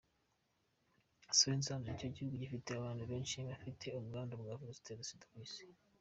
Swaziland nicyo gihugu gifite abantu benshi bafite ubwandu bwa virusi itera Sida ku Isi.